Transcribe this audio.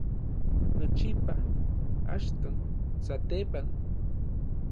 nochipa, achton, satepan